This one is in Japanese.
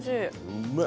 うめえ！